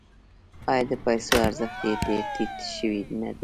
آیا د پیسو ارزښت یې ډیر ټیټ شوی نه دی؟